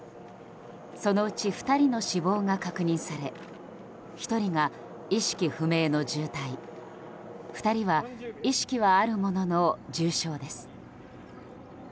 そのうち２人の死亡が確認され１人が意識不明の重体２人は意識はあるものの重傷です。